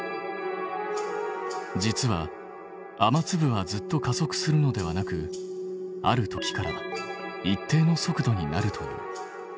実は雨粒はずっと加速するのではなくある時から一定の速度になるという。